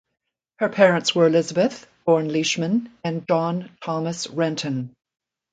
Her parents were Elizabeth (born Leishman) and John Thomas Renton.